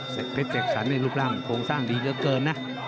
เฮ็พเตศสันนี้ลูกร่างโครงสร้างดีเยอะเกินนะ